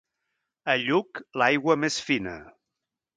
A Lluc, l'aigua més fina.